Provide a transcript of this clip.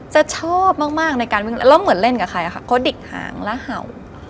จะชอบมากในการวิ่งแล้วเหมือนเล่นกับใครค่ะเพราะดิกหางแล้วเห่า